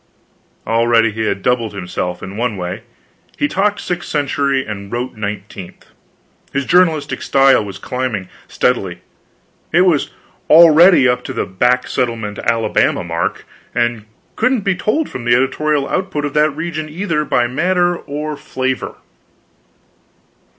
Already he had doubled himself in one way; he talked sixth century and wrote nineteenth. His journalistic style was climbing, steadily; it was already up to the back settlement Alabama mark, and couldn't be told from the editorial output of that region either by matter or flavor.